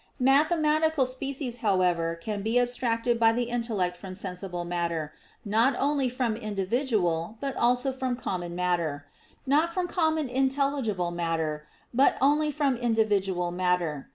Mathematical species, however, can be abstracted by the intellect from sensible matter, not only from individual, but also from common matter; not from common intelligible matter, but only from individual matter.